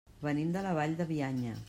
Venim de la Vall de Bianya.